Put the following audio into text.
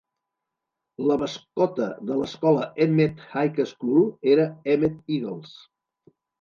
La mascota de l'escola Emmett High School era Emmett Eagles.